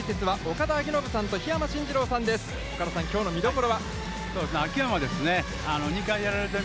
岡田さん、きょうの見どころは？